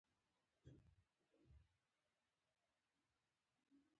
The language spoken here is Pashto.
غوږونه له زیاتې چیغې درد کوي